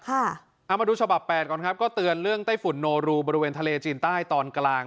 เอามาดูฉบับแปดก่อนครับก็เตือนเรื่องไต้ฝุ่นโนรูบริเวณทะเลจีนใต้ตอนกลาง